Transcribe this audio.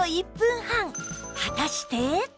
果たして